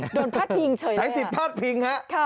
โดนพาดพิงเฉยเลยหรือค่ะค่ะใช้สิทธิ์พาดพิง